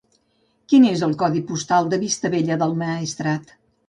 Quin és el codi postal de Vistabella del Maestrat?